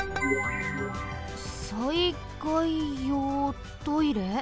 「災害用トイレ」？